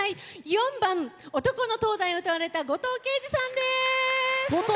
４番「男の燈台」を歌われたごとうさんです。